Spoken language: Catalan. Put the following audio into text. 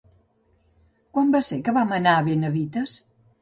Quan va ser que vam anar a Benavites?